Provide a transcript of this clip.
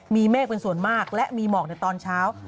มีเมฆเป็นส่วนมากและมีหมอกในตอนเช้า